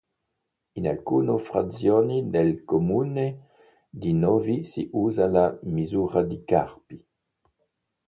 In alcuna frazioni del comune di Novi si usa la misura di Carpi.